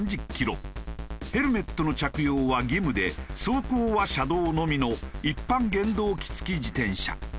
ヘルメットの着用は義務で走行は車道のみの一般原動機付自転車。